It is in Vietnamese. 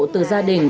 từ gia đình